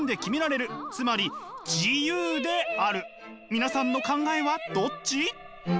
皆さんの考えはどっち？